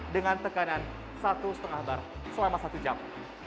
dengan tekanan satu lima bar selama satu jam